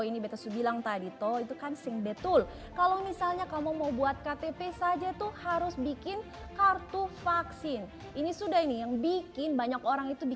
sebuah unggahan warganet yang menyebut bahwa syarat membuat kartu tanda penduduk elektronik kini memerlukan kartu vaksin covid sembilan belas jadi ramai di media sosial facebook dan twitter